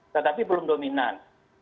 tetapi belum dominan